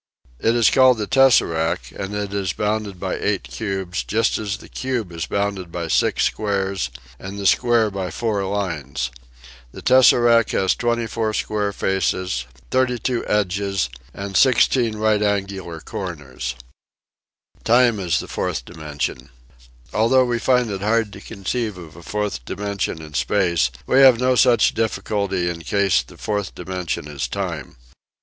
It is called the " tesseract," and it is bounded by eight cubes just as the cube is bounded by six squares and the square by four lines. The tesseract has 24 square faces, 32 edges and 16 rightangular corners. TIME AS THE FOURTH DIMENSION Although we find it hard to conceive of a fourth dimension in space we have no such difficulty in case the fourth dimension is time.